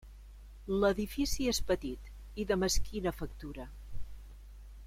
L'edifici és petit i de mesquina factura.